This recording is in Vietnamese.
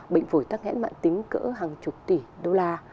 bệnh phổi tắc nghẽn mạng tính cỡ hàng chục tỷ đô la